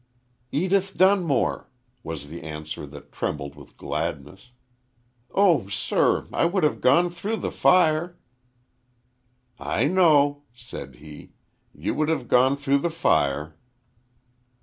"Edith Dunmore," was the answer that trembled with gladness. "Oh, sir! I would have gone through the fire." "I know," said he, "you would have gone through the fire."